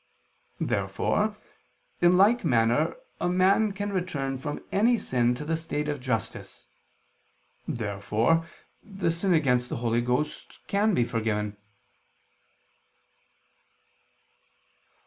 Therefore, in like manner, a man can return from any sin to the state of justice. Therefore the sin against the Holy Ghost can be forgiven.